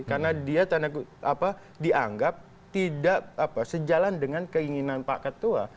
karena dia dianggap tidak sejalan dengan keinginan pak ketua